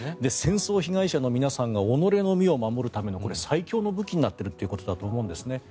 戦争被害者の皆さんが己の身を守るための最強の武器になっているということだと思うんですね。